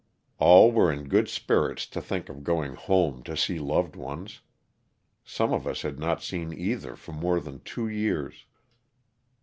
All were in good spirits to think of going home to see loved ones; some of us had not seen either for more than two years.